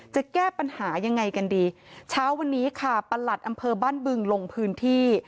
จะแก้ปัญหายังไงกันดีเช้าวันนี้ค่ะประหลัดอำเภอบ้านบึงลงพื้นที่